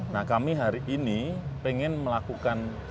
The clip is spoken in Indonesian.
nah kami hari ini pengen melakukan